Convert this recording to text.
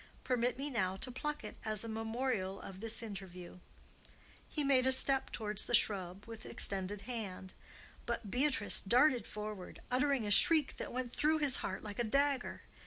Permit me now to pluck it as a memorial of this interview." He made a step towards the shrub with extended hand; but Beatrice darted forward, uttering a shriek that went through his heart like a dagger.